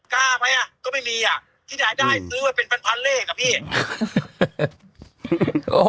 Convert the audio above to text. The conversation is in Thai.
กล้าไหมอ่ะก็ไม่มีอ่ะที่ไหนได้ซื้อมาเป็นพันพันเลขอ่ะพี่